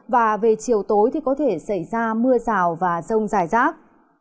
và về chiều tối thì có thể xảy ra mưa rào và rông dài rác